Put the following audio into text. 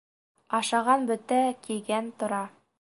Ашаған бөтә, кейгән тора.